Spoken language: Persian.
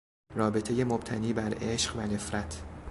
رابطهی مبتنی بر عشق و نفرت